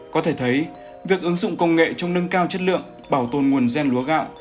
có thể thấy việc ứng dụng công nghệ trong nâng cao chất lượng bảo tồn nguồn gen lúa gạo